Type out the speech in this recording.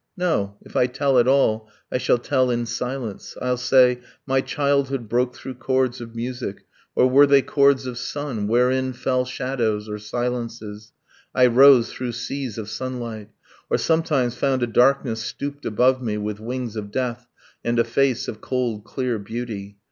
No, if I tell at all, I shall tell in silence ... I'll say my childhood broke through chords of music Or were they chords of sun? wherein fell shadows, Or silences; I rose through seas of sunlight; Or sometimes found a darkness stooped above me With wings of death, and a face of cold clear beauty.